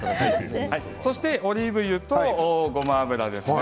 オリーブ油とごま油ですね。